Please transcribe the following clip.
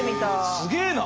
すげえな！